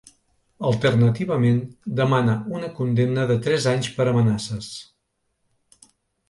Alternativament, demana una condemna de tres anys per amenaces.